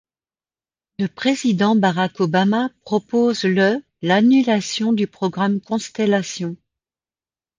Le président Barack Obama propose le l’annulation du programme Constellation.